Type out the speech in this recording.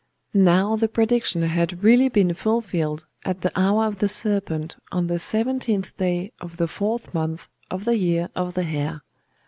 _' Now the prediction had really been fulfilled at the Hour of the Serpent on the seventeenth day of the fourth month of the Year of the Hare.